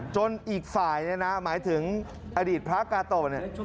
อีกฝ่ายเนี่ยนะหมายถึงอดีตพระกาโตเนี่ย